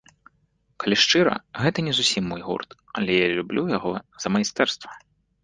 Калі шчыра, гэта не зусім мой гурт, але я люблю яго за майстэрства.